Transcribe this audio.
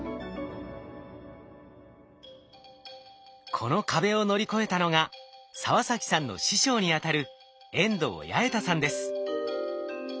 この壁を乗り越えたのが澤崎さんの師匠にあたる遠藤弥重太さんです。